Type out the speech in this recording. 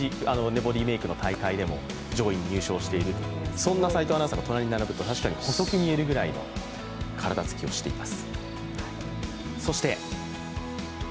ボディメイキングの大会でも上位入賞している、そんな齋藤アナウンサーが隣に並ぶと、確かに細く見えるぐらいの体をしています。